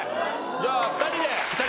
じゃあ２人で。